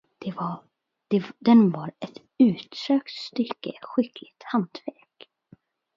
Den var ett utsökt stycke skickligt hantverk.